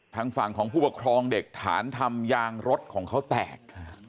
ทางฝั่งของผู้ปกครองเด็กฐานทำยางรถของเขาแตก